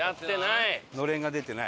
のれんが出てない。